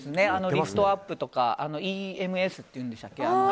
リフトアップとかＥＭＳっていうんでしたっけ。